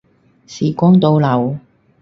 時光倒流